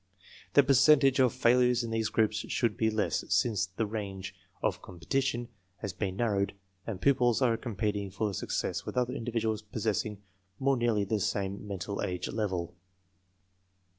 The percentage of failures in these groups should be less, since the range of competition has been narrowed and pupils are competing for success with other individuals possessing more nearly the same mental age level.